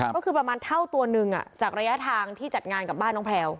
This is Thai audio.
ก็คือประมาณเท่าตัวหนึ่งจากระยะทางที่จัดงานกับบ้านน้องแพลว